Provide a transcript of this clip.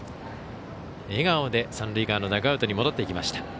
笑顔で三塁側のダグアウトに戻っていきました。